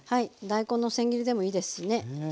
大根のせん切りでもいいですしね。